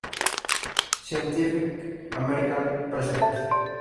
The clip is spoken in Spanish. Scientific American Presents.